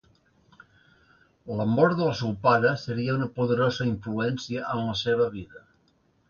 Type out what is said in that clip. La mort del seu pare seria una poderosa influència en la seva vida.